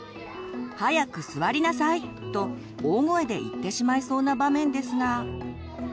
「早く座りなさい！」と大声で言ってしまいそうな場面ですが。